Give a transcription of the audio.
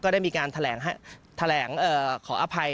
ได้มีการแถลงขออภัย